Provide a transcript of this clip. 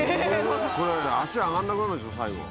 これ足上がんなくなるでしょ最後。